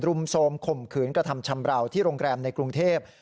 มโทรมข่มขืนกระทำชำราวที่โรงแรมในกรุงเทพ